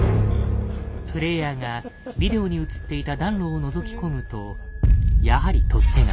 プレイヤーがビデオに映っていた暖炉をのぞき込むとやはり取っ手が。